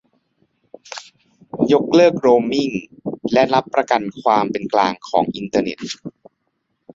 ยกเลิกโรมมิง และรับประกันความเป็นกลางของอินเทอร์เน็ต